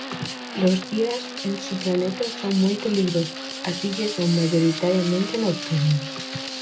Los días en su planeta son muy peligrosos, así que son mayoritariamente nocturnos.